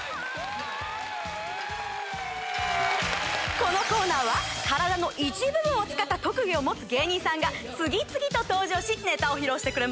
このコーナーは体の一部分を使った特技を持つ芸人さんが次々と登場しネタを披露してくれます。